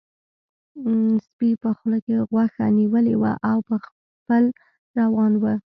سپي په خوله کې غوښه نیولې وه او په پل روان و.